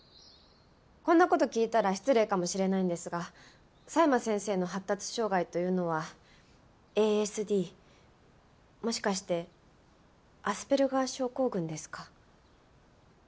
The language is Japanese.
こんな事聞いたら失礼かもしれないんですが佐山先生の発達障害というのはＡＳＤもしかしてアスペルガー症候群ですか？